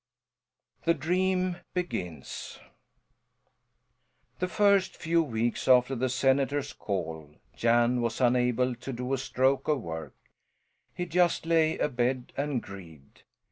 THE DREAM BEGINS The first few weeks after the senator's call Jan was unable to do a stroke of work: he just lay abed and grieved.